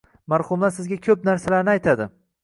Marhumlar sizga ko’p narsalarni aytadi.